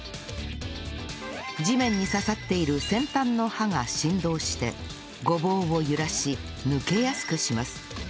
地面に刺さっている尖端の刃が振動してごぼうを揺らし抜けやすくします